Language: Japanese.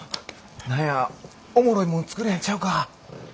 何やおもろいもん作れるんちゃうか？